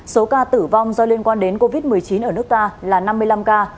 số ca tử vong do liên quan đến covid một mươi chín ở nước ta là năm mươi năm ca